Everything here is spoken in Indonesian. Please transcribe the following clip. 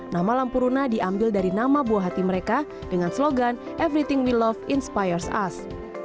nama lampu runa diambil dari nama buah hati mereka dengan slogan everything we love inspired us